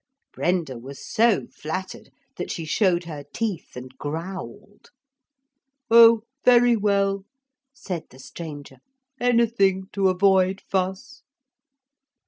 Brenda was so flattered that she showed her teeth and growled. 'Oh, very well,' said the stranger; 'anything to avoid fuss.'